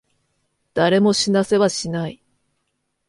誰も死なせはしない。